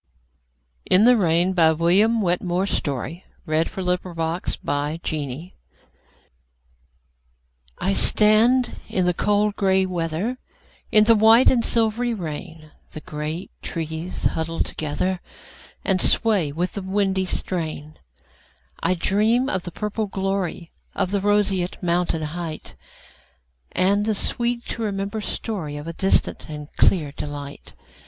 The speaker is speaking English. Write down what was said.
2. William Wetmore Story 1819–1895 William Wetmore Story 123 In the Rain I STAND in the cold gray weather, In the white and silvery rain; The great trees huddle together, And sway with the windy strain.I dream of the purple gloryOf the roseate mountain heightAnd the sweet to remember storyOf a distant and clear delight.